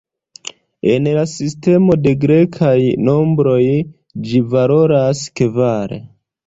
En la sistemo de grekaj nombroj ĝi valoras kvar.